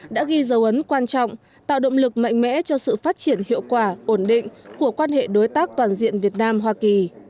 đã ghi dấu ấn quan trọng tạo động lực mạnh mẽ cho sự phát triển hiệu quả ổn định của quan hệ đối tác toàn diện việt nam hoa kỳ